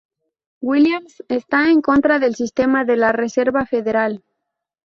Williams está en contra del Sistema de la Reserva Federal.